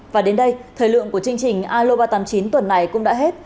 và đến đây thời lượng của chương trình alo ba trăm tám mươi chín tuần này cũng đã hết